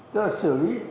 chứ là xử lý